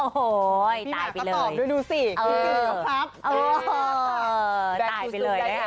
โห่มักก็ตอบด้วยสิพี่ใหม่ก็ครับโอ๊ยตายไปเลยเนี้ยฮะ